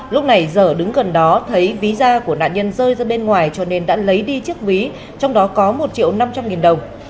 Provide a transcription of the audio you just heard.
lúc này dở đứng gần đó thấy ví da của nạn nhân rơi ra bên ngoài cho nên đã lấy đi chiếc ví trong đó có một triệu năm trăm linh nghìn đồng